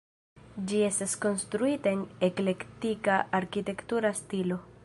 Ĝi estis konstruita en eklektika arkitektura stilo.